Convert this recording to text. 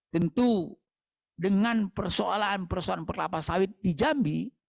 tentu dengan persoalan persoalan perkelapa sawit di jambi